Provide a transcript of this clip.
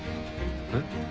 えっ。